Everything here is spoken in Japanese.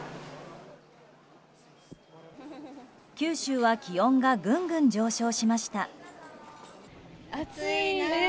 九州は気温がぐんぐん上昇しました。